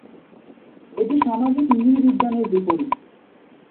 এটি সামাজিক নৃবিজ্ঞানের বিপরীত।